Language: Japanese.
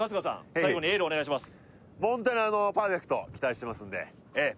最後にエールお願いします